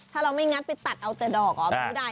ถ้าเราไม่งัดไปตัดเอาแต่ดอกมันไม่ได้